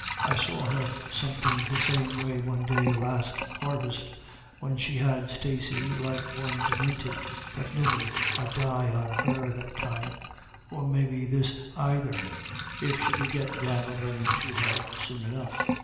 I saw her somethin' the same way one day last harvest, when she had Stacey like one deminted, but niver a die on her that time, or maybe this aither, if we could git Dan O'Beirne to her soon enough."